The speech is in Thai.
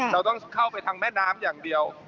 เราต้องเข้าไปทางแม่น้ำอย่างเดียว